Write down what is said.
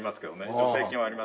助成金はあります。